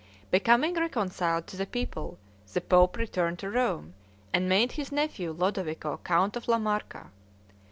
Becoming reconciled to the people, the pope returned to Rome, and made his nephew Lodovico count of La Marca.